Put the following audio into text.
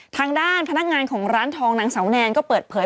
ทางด้านพนักงานของร้านทองนางเสาแนนก็เปิดเผย